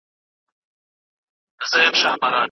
چي څه تیار وي هغه د یار وي